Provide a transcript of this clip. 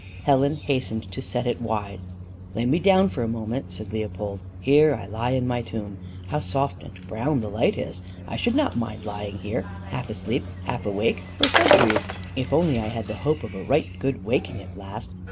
Helen hastened to set it wide. "Lay me down for a moment," said Leopold. " Here I lie in my tomb! How soft and brown the light is! I should not mind lying here, half asleep, half awake, for centuries, if only I had the hope of a right good waking at last."